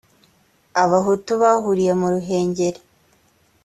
abahutu bahuriye mu ruhengeri